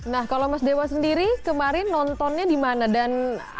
nah kalau mas dewa sendiri kemarin nontonnya di perancis sendiri ya